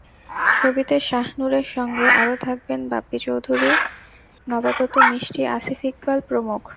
ছবিতে শাহনূরের সঙ্গে আরও থাকবেন বাপ্পি চৌধুরী, নবাগত মিষ্টি, আসিফ ইকবাল প্রমুখ।